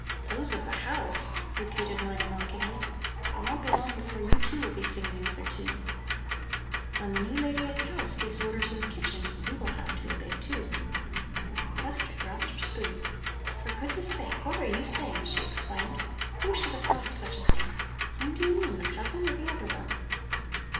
"Those of the house!" repeated Mina mockingly. "It won't be long before you, too, will be singing another tune. When the new lady of the house gives orders in the kitchen you will have to obey, too." Esther dropped her spoon. "For goodness sake, what are you saying?" she exclaimed. "Who should have thought of such a thing? Whom do you mean, the cousin or the other one?"